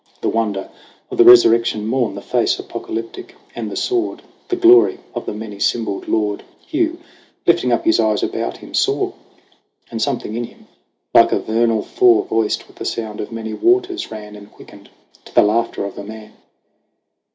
The wonder of the resurrection morn, The face apocalyptic and the sword, The glory of the many symboled Lord, Hugh, lifting up his eyes about him, saw ! And something in him like a vernal thaw, Voiced with the sound of many waters, ran And quickened to the laughter of a man.